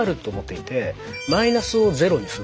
マイナスをゼロにする。